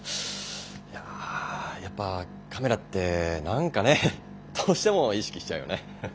いややっぱカメラって何かねどうしても意識しちゃうよねハハ。